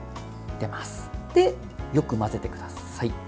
で、よく混ぜてください。